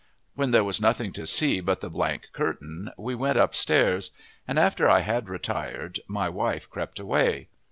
When there was nothing to see but the blank curtain, we went upstairs; and after I had retired my wife crept away.